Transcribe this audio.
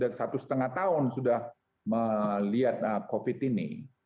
dan satu setengah tahun sudah melihat covid ini